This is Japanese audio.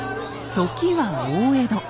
時は大江戸。